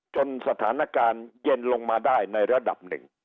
สถานการณ์เย็นลงมาได้ในระดับหนึ่ง